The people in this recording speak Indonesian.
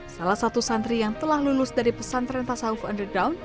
salah satu santri yang telah lulus dari pesantren tasawuf underdown